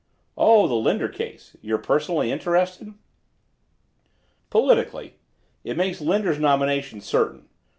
"Oh, the Linder case. You're personally interested?" "Politically. It makes Linder's nomination certain.